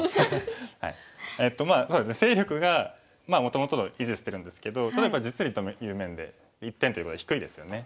勢力がもともと維持してるんですけど実利という面で１点ということで低いですよね。